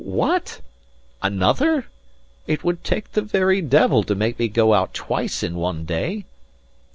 What? Another? It would take the very devil to make me go out twice in one day."